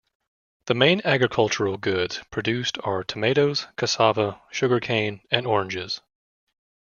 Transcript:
The main agricultural goods produced are tomatoes, cassava, sugarcane and oranges.